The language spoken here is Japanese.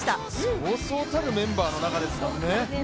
そうそうたるメンバーの中でですもんね。